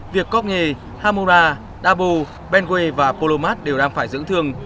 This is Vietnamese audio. việc cogne hamona dabo benway và polomat đều đang phải dưỡng thương